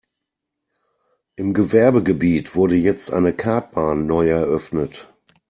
Im Gewerbegebiet wurde jetzt eine Kartbahn neu eröffnet.